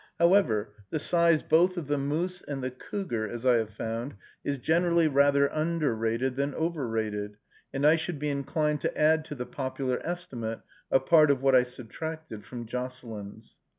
However, the size both of the moose and the cougar, as I have found, is generally rather underrated than overrated, and I should be inclined to add to the popular estimate a part of what I subtracted from Josselyn's.